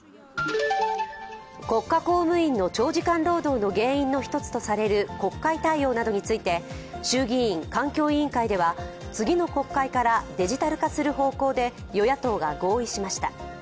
国家公務員の長時間労働の原因の一つとされる国会対応などについて衆議院・環境委員会では次の国会からデジタル化する方向で与野党が合意しました。